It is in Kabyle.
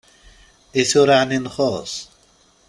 I tura ɛni nxus!